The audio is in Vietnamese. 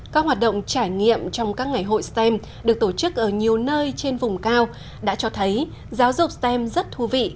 các hoạt động trải nghiệm trong các ngày hội stem được tổ chức ở nhiều nơi trên vùng cao đã cho thấy giáo dục stem rất thú vị